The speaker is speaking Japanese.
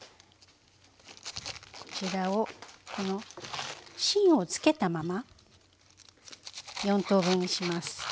こちらをこの芯をつけたまま４等分にします。